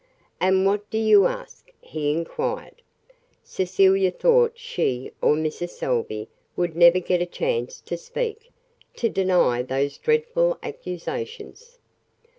"And what do you ask?" he inquired. Cecilia thought she or Mrs. Salvey would never get a chance to speak to deny those dreadful accusations.